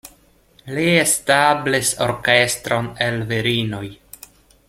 Li establis orkestron el virinoj.